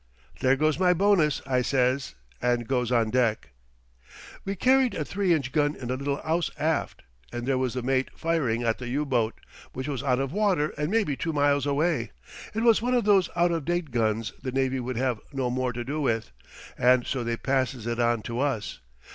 "'There goes my bonus,' I says, and goes on deck. "We carried a 3 inch gun in a little 'ouse aft, and there was the mate firing at the U boat, which was out of water and maybe two miles away. It was one of those out of date guns the navy would have no more to do with, and so they passes it on to us.